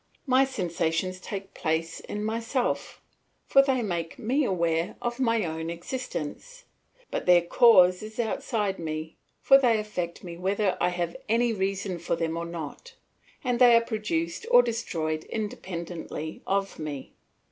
My sensations take place in myself, for they make me aware of my own existence; but their cause is outside me, for they affect me whether I have any reason for them or not, and they are produced or destroyed independently of me.